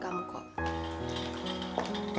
saya akan membantu kamu